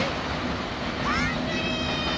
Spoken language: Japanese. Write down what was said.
ハングリー！